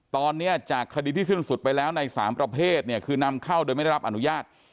ตอนนี้จากคดีที่สิ้นสุดไปแล้วใน๓ประเภทเนี่ยคือนำเข้าโดยไม่ได้รับอนุญาต